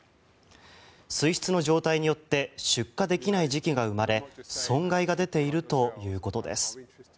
水質の状態によって出荷できない時期が生まれ損害が出ているということです。